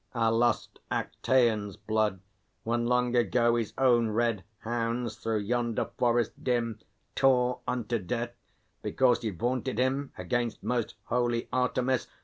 Our lost Actaeon's blood, whom long ago His own red hounds through yonder forest dim Tore unto death, because he vaunted him Against most holy Artemis?